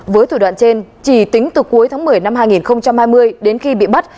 với thủ đoạn trên chỉ tính từ cuối tháng một mươi năm hai nghìn hai mươi đến khi bị bắt